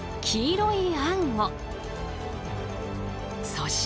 そして。